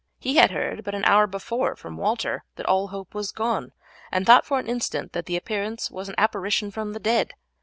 He had heard but an hour before from Walter that all hope was gone, and thought for an instant that the appearance was an apparition from the dead.